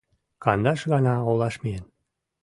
Кандаш гана олаш миен